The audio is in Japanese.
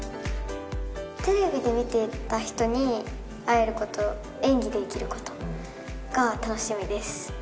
テレビで見ていた人に会えること、演技できることが楽しみです。